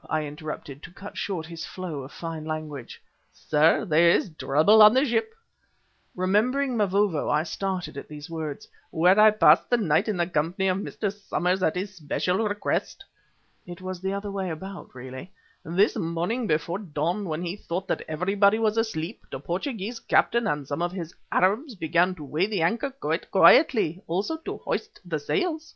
I interrupted, to cut short his flow of fine language. "Sir, there is trouble on the ship" (remembering Mavovo I started at these words) "where I passed the night in the company of Mr. Somers at his special request." (It was the other way about really.) "This morning before the dawn, when he thought that everybody was asleep, the Portuguese captain and some of his Arabs began to weigh the anchor quite quietly; also to hoist the sails.